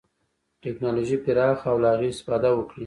ټکنالوژي پراخه او له هغې استفاده وکړي.